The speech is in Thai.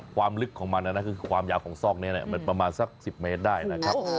ความลึกของมันคือความยาวของซอกนี้มันประมาณสัก๑๐เมตรได้นะครับ